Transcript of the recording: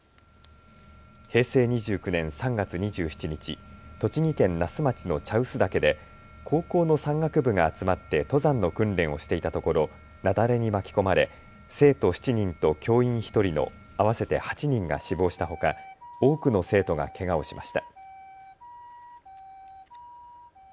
平成２９年３月２７日栃木県那須町の茶臼岳で高校の山岳部が集まって登山の訓練をしていたところ雪崩に巻き込まれ生徒７人と教員１人の合わせて８人が死亡したほか多くの生徒がけがをしました。